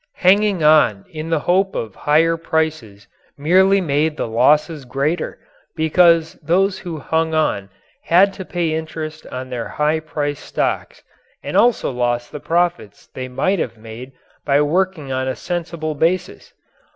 Hanging on in the hope of higher prices merely made the losses greater, because those who hung on had to pay interest on their high priced stocks and also lost the profits they might have made by working on a sensible basis.